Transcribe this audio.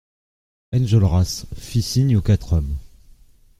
Enjolras fit signe aux quatre hommes.